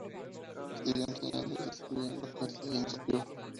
Siguió enseñando y escribiendo poesía y ensayo.